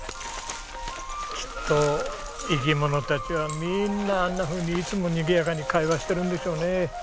きっと生き物たちはみんなあんなふうにいつもにぎやかに会話してるんでしょうね。